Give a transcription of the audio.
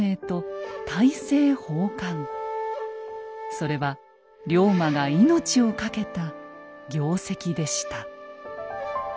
それは龍馬が命を懸けた業績でした。